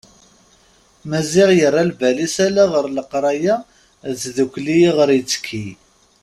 Maziɣ yerra lbal-is ala ɣer leqraya d tdukkli iɣer ittekki.